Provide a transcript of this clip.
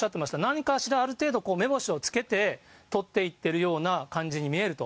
何かしらある程度、目星をつけてとっていってるような感じに見えると。